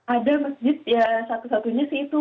ada masjid ya satu satunya sih itu